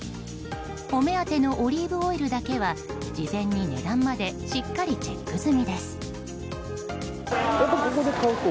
お目当てのオリーブオイルだけは事前に値段までしっかりチェック済みです。